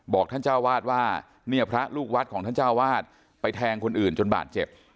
ท่านเจ้าวาดว่าเนี่ยพระลูกวัดของท่านเจ้าวาดไปแทงคนอื่นจนบาดเจ็บ